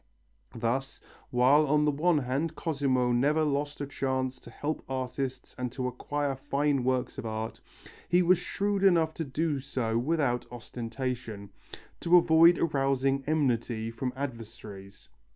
Thus, while on the one hand Cosimo never lost a chance to help artists and to acquire fine works of art, he was shrewd enough to do so without ostentation, to avoid arousing enmity from adversaries.